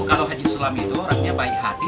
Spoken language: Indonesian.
kalau haji sulam itu orangnya baik hati